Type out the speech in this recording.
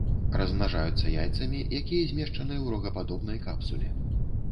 Размнажаюцца яйцамі, якія змешчаны ў рогападобнай капсуле.